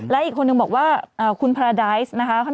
และอีกคนนึงบอกว่าคุณพราไดซ์นะคะ